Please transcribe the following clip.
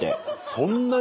そんなに？